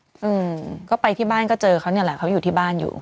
อืมก็ไปที่บ้านก็เจอเขาเนี้ยแหละเขาอยู่ที่บ้านอยู่